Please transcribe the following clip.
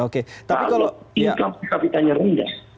kalau income per capita nya rendah